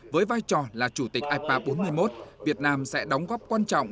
với vai trò là chủ tịch ipa bốn mươi một việt nam sẽ đóng góp quan trọng